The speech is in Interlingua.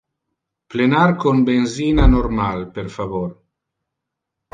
Plenar con benzina normal, per favor.